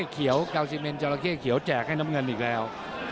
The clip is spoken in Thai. กาวซิเมนจอลาเค่เขียวแจกให้น้ำเงินอีกแล้ว